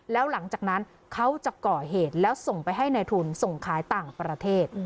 แล้วหลังจากนั้นเขาจะก่อเหตุแล้วส่งไปให้ในทุนส่งขายต่างประเทศ